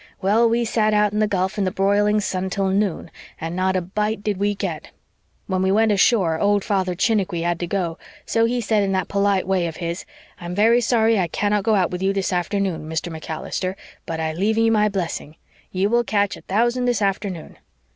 Well, we sat out in the gulf in the broiling sun till noon, and not a bite did we get. When we went ashore old Father Chiniquy had to go, so he said in that polite way of his, 'I'm very sorry I cannot go out with you dis afternoon, Mr. MacAllister, but I leave you my blessing. You will catch a t'ousand dis afternoon.